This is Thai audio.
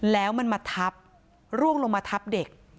แล้วมันมาทับร่วงลงมาทับเด็ก